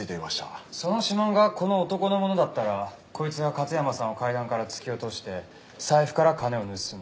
その指紋がこの男のものだったらこいつが勝山さんを階段から突き落として財布から金を盗んだ。